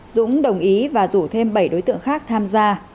dũng đồng ý và rủ thêm bảy đối tượng khác tham gia